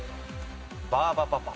バーバパパ。